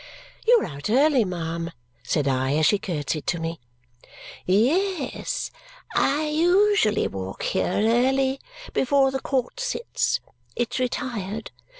"You are out early, ma'am," said I as she curtsied to me. "Ye es! I usually walk here early. Before the court sits. It's retired.